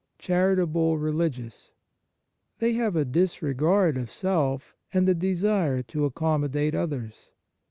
CHARITABLE RELIGIOUS They have a disregard of self and a desire to accommodate others.